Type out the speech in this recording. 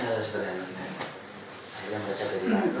ini kan harus terang terang